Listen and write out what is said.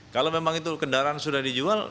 kalau memang itu kendaraan sudah dijual